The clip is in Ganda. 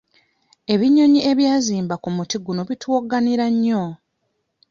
Ebinyonyi ebyazimba ku muti guno bituwogganira nnyo.